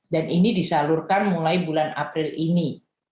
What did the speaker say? dan ini disalurkan mulai bulan april ini